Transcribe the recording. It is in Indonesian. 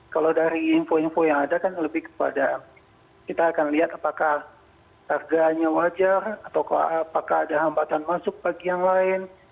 kalau dari info info yang ada kan lebih kepada kita akan lihat apakah harganya wajar atau apakah ada hambatan masuk bagi yang lain